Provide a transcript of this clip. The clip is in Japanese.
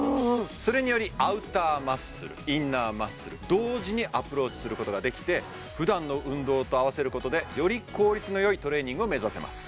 それによりアウターマッスルインナーマッスル同時にアプローチすることができて普段の運動と合わせることでより効率のよいトレーニングを目指せます